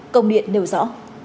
công điện nêu rõ